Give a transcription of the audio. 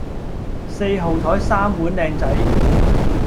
四號枱三碗靚仔